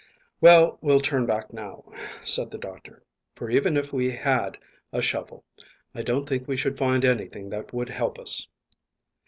"Well, we'll turn back now," said the doctor, "for even if we had a shovel I don't think we should find anything that would help us."